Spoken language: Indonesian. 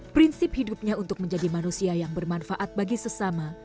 prinsip hidupnya untuk menjadi manusia yang bermanfaat bagi sesama